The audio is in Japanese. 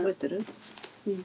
うん。